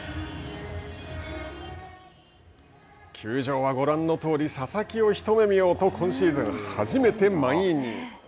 球場はご覧のとおり佐々木を一目見ようと今シーズン、初めて満員に。